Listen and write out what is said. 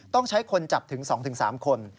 ต้องใช้คนจับถึง๒๓คน